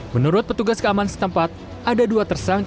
menurut petugas keamanan setempat ada dua tersangka